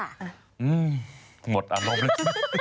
อืมหมดอารมณ์แล้ว